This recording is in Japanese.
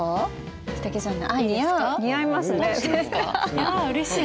いやうれしい。